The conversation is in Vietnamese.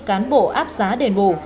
cán bộ áp giá đền bù